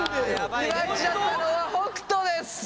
イマイチだったのは北斗です。